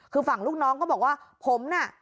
คือฝั่งลูกน้องก็บอกว่าผมน่ะ